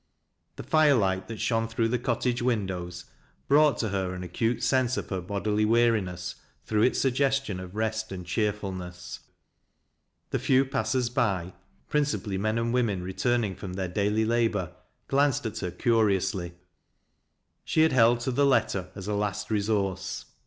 The firelight that shone through the cottage windows brought to her an acute sense of her bodily weariness through its suggestion of rest and cheerfulness. The few passers by — ^principally men and women returning from their daily labor — glanced at her curiously. She had held to the letter as a last resource.